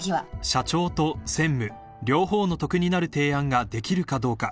［社長と専務両方の得になる提案ができるかどうか］